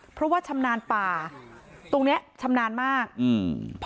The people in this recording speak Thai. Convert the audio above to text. เพราะว่าชำนาญป่าตรงเนี้ยชำนาญมากอืม